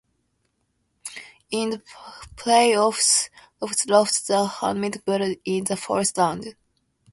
In the playoffs, Rochester lost to the Hamilton Bulldogs in the first round.